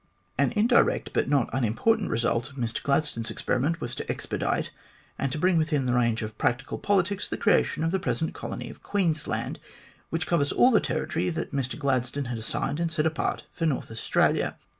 An in direct but not unimportant result of Mr Gladstone's experi ment was to expedite, and bring within the range of practical politics, the creation of the present colony of Queensland, which covers all the territory that Mr Gladstone had assigned and set apart for North Australia.